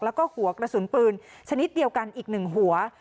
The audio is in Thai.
แล้วก็หัวกระสุนปืนชนิดเดียวกันอีก๑หัว